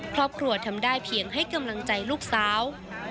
ครอบครัวทำได้เพียงให้กำลังใจลูกสาว